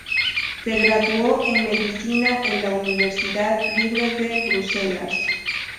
Se graduó en medicina en la Universidad Libre de Bruselas.